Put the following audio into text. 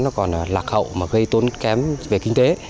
nó còn lạc hậu mà gây tốn kém về kinh tế